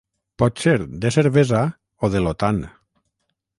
Pot ser de cervesa o de l'Otan.